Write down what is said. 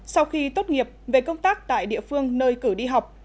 sau khi tốt nghiệp về công tác tại địa phương nơi cử đi học